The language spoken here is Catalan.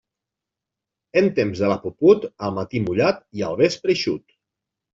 En temps de la puput, al matí mullat i al vespre eixut.